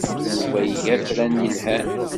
Yuba iga afran yelhan.